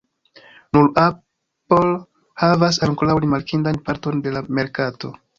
Nur Apple havas ankoraŭ rimarkindan parton de la merkato.